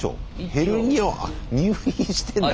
ヘルニアあ入院してんだ。